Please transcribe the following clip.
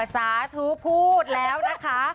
สาธุพูดแล้วนะคะ